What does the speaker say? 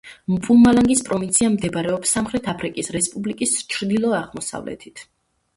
მპუმალანგის პროვინცია მდებარეობს სამხრეთ აფრიკის რესპუბლიკის ჩრდილო-აღმოსავლეთით.